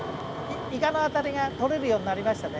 イカのアタリが取れるようになりましたね。